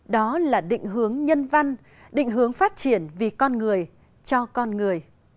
đó là định hướng nhân văn định hướng phát triển vì con người cho con người